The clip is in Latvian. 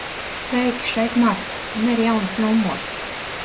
Sveiki, šeit Marta. Man ir jauns numurs.